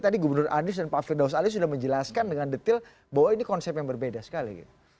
tadi gubernur anies dan pak firdaus ali sudah menjelaskan dengan detail bahwa ini konsep yang berbeda sekali gitu